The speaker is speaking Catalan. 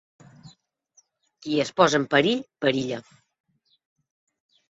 Qui es posa en perill, perilla.